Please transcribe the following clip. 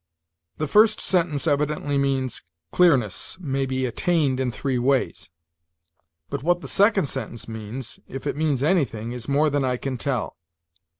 The first sentence evidently means, "Clearness may be attained in three ways"; but what the second sentence means if it means anything is more than I can tell.